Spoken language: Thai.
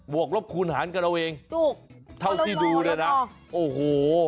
บวกรบคูณหารกับเราเองเท่าที่ดูแล้วนะโอ้โฮ